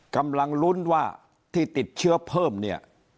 กำลังลุ้นว่าที่ติดเชื้อเพิ่มเนี่ย